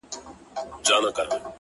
• توروه سترگي ښايستې په خامـوشـۍ كي ـ